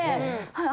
はい。